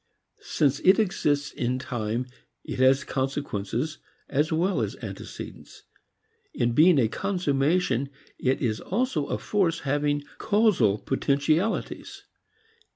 Since it exists in time it has consequences as well as antecedents. In being a consummation it is also a force having causal potentialities.